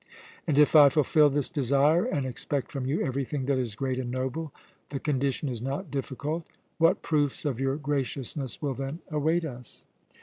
"And if I fulfil this desire and expect from you everything that is great and noble the condition is not difficult what proofs of your graciousness will then await us?"